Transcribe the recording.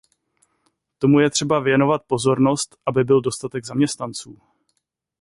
Tomu je třeba věnovat pozornost, aby byl dostatek zaměstnanců.